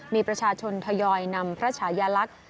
มีประชาชนทยอยนำพระชายลักษณ์